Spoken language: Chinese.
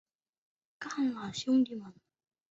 宜兰外海的龟山岛